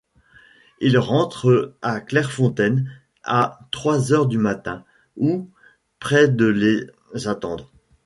Ils rentrent à Clairefontaine à trois heures du matin, où près de les attendent.